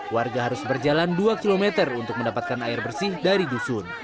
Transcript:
warga harus berjalan dua km untuk mendapatkan air bersih dari dusun